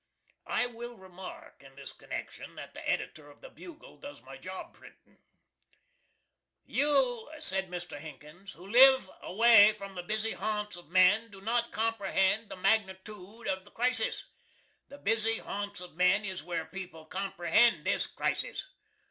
I will remark, in this connection, that the Editor of the "Bugle" does my job printing. "You," said Mr. Hinkins, "who live away from the busy haunts of men do not comprehend the magnitood of the crisis. The busy haunts of men is where people comprehend this crisis.